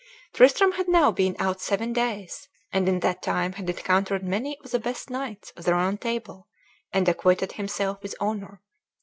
Tristram had now been out seven days, and in that time had encountered many of the best knights of the Round Table, and acquitted himself with honor.